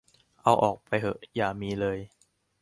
เอาออกไปเหอะอย่ามีเลย